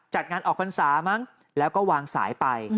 จัดงานออกพรรษามั้งแล้วก็วางสายไป